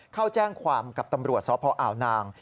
เข้าแจ้งความกับตำรวจสพอาวนาง